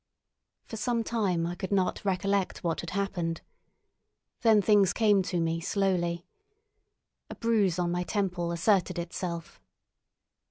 For some time I could not recollect what had happened. Then things came to me slowly. A bruise on my temple asserted itself.